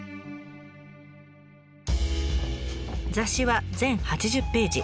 雑誌は全８０ページ。